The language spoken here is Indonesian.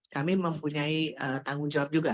kami mempunyai tanggung jawab juga